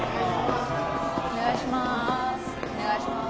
お願いします。